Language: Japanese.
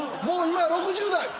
もう今６０代！